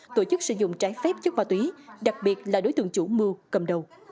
tổ chức sử dụng trái phép chất ma túy đặc biệt là đối tượng chủ mưu cầm đầu